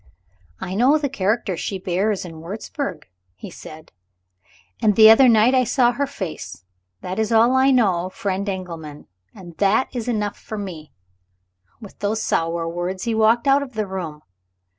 'I know the character she bears in Wurzburg,' he said; 'and the other night I saw her face. That is all I know, friend Engelman, and that is enough for me.' With those sour words, he walked out of the room.